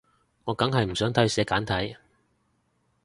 我梗係唔想睇佢寫簡體